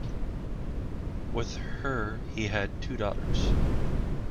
With her, he had two daughters.